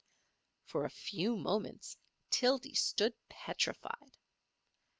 For a few moments Tildy stood petrified.